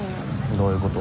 どういうこと？